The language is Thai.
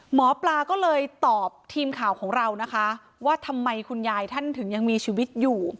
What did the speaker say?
หมอปลาก็เลยตอบทีมข่าวของเรานะคะว่าทำไมคุณยายท่านถึงยังมีชีวิตอยู่